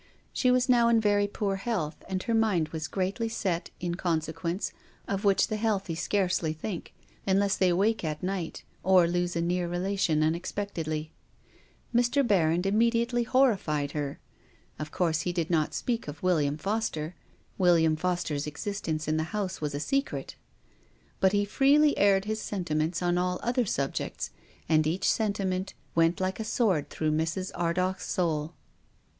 She was now in very poor health, and her mind was greatly set, in consequence, on that other world of which the healthy scarcely think, unless they wake at night or lose a near relation unexpect edly. Mr. Berrand immediately horrified her. " WILLIAM FOSTER." 1 55 Of course he did not speak of " William Foster." " William Foster's" existence in the house was a secret. But he freely aired his sentiments on all other subjects, and each sentiment went like a sword through Mrs. Ardagh's soul.